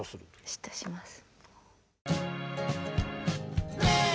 嫉妬します。